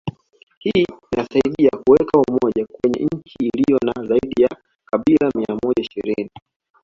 Hii imesaidia kuweka umoja kwenye nchi ilio na zaidi ya kabila mia moja ishirini